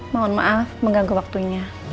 mohon maaf mengganggu waktunya